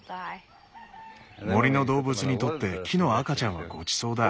森の動物にとって木の赤ちゃんはごちそうだ。